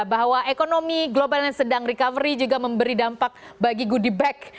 bahwa ekonomi global yang sedang recovery juga memberi dampak bagi goodie bag